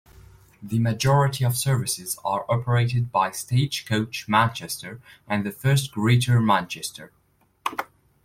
The majority of services are operated by Stagecoach Manchester and First Greater Manchester.